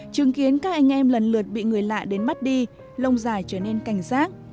chứng kiến các anh em lần lượt bị người lạ đến mắt đi lông dài trở nên cảnh giác